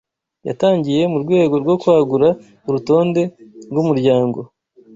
Yatangiye mu rwego rwo kwagura urutonde rwumuryango